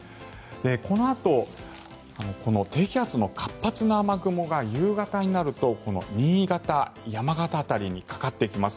このあとこの低気圧の活発な雨雲が夕方になるとこの新潟、山形辺りにかかってきます。